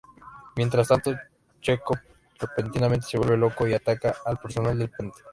Mientras tanto, Chekov repentinamente se vuelve loco y ataca al personal del puente.